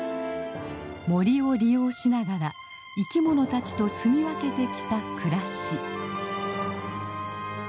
森を利用しながら生きものたちと住み分けてきた暮らし。